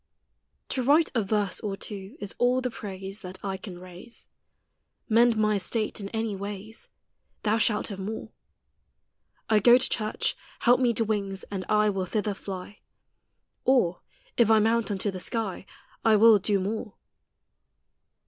To write a verse or two is all the praise That I can raise; Mend my estate in any wayes, Thou shalt have more. I go to church; help me to wings, and I Will thither flie; Or, if I mount unto the skie, I will do more.